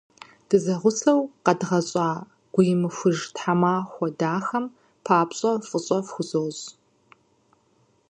Дызэгъусэу къэдгъэщӏа гуимыхуж тхьэмахуэ дахэм папщӏэ фӏыщӏэ фхузощӏ!